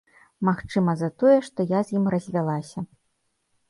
Магчыма, за тое, што я з ім развялася.